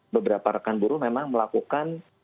beberapa rekan buruh memang melakukan